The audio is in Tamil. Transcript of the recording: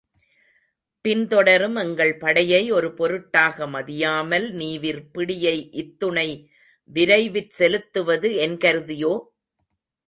பின் தொடரும் எங்கள் படையை ஒரு பொருட்டாக மதியாமல் நீவிர் பிடியை இத்துணை விரைவிற் செலுத்துவது என் கருதியோ?